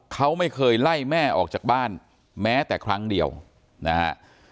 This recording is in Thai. เขาไม่เคยไล่แม่ออกจากบ้านแม้แต่ครั้งเดียวนะฮะ